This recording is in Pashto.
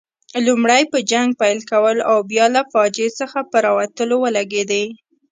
لومړی په جنګ پیل کولو او بیا له فاجعې څخه په راوتلو ولګېدې.